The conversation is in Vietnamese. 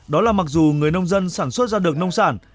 đó là mặc dù người nông dân sản xuất ra được nông sản